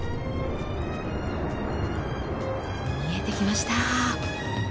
見えてきました。